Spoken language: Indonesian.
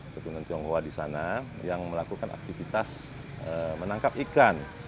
tegunan tionghoa di sana yang melakukan aktivitas menangkap ikan